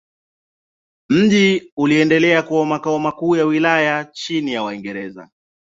Mji uliendelea kuwa makao makuu ya wilaya chini ya Waingereza.